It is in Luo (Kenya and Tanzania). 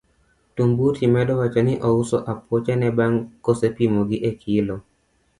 Tumbuti medo wacho ni ouso apuoche ne bang' kosepimo gi e kilo.